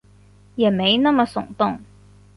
也没那么耸动